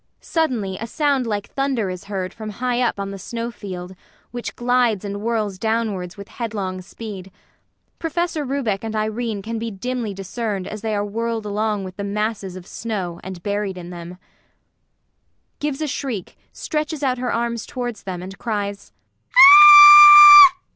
[Suddenly a sound like thunder is heard from high up on the snow field, which glides and whirls downwards with headlong speed. PROFESSOR RUBEK and IRENE can be dimly discerned as they are whirled along with the masses of snow and buried in them. THE SISTER OF MERCY. [Gives a shriek, stretches out her arms towards them and cries.